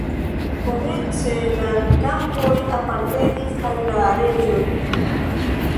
Komence la kampoj apartenis al la reĝoj.